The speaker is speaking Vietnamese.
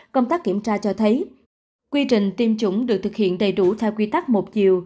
công tác kiểm tra cho thấy quy trình tiêm chủng được thực hiện đầy đủ theo quy tắc một chiều